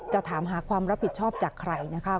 ถามหาความรับผิดชอบจากใครนะคะ